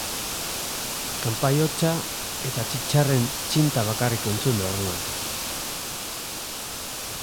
Kanpai-hotsa eta txitxarren txinta bakarrik entzun da orduan.